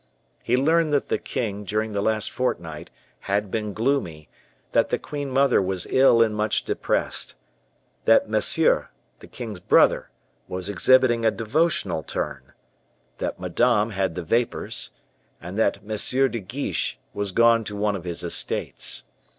He learned that the king, during the last fortnight, had been gloomy; that the queen mother was ill and much depressed; that Monsieur, the king's brother, was exhibiting a devotional turn; that Madame had the vapors; and that M. de Guiche was gone to one of his estates.